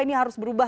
ini harus berubah